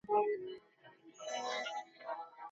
که څوک وغواړي پرمختګ وکړي نو باید لیکل پیل کړي.